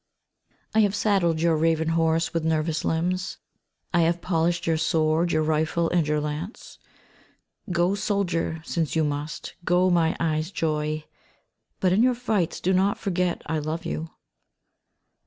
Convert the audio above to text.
I HAVE saddled your raven horse with nervous limbs, I have polished your sword, your rifle, and your lance* Go, soldier, since you must ; go, my eyes' joy : But in your fights do not forget I love you.